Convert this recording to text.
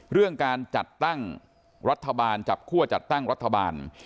เรื่องการจัดตั้งรัฐบาลจับคั่วจัดตั้งรัฐบาล